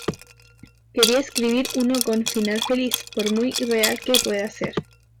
Quería escribir uno con final feliz, por muy irreal que pueda ser.